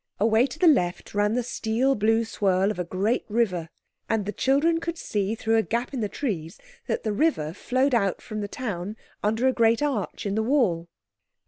Away to the left ran the steel blue swirl of a great river. And the children could see, through a gap in the trees, that the river flowed out from the town under a great arch in the wall.